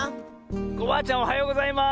コバアちゃんおはようございます！